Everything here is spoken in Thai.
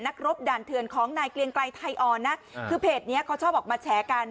รบด่านเถื่อนของนายเกลียงไกลไทยอ่อนนะคือเพจนี้เขาชอบออกมาแฉกัน